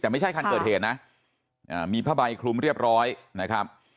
แต่ไม่ใช่คันเกิดเหตุนะมีผ้าใบคลุมเรียบร้อยนะครับ